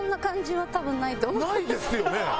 ないですよね？